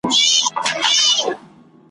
له ځالۍ سره نیژدې پورته یو غار وو ,